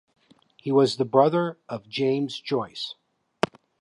He was the brother of James Joyce.